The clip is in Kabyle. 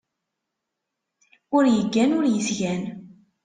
Ur yeggan, ur yesgan.